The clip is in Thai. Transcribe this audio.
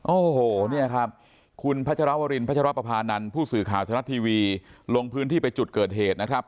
โอ้โหเนี่ยครับคุณพัชรวรินพัชรปภานันทร์ผู้สื่อข่าวธนัดทีวีลงพื้นที่ไปจุดเกิดเหตุนะครับ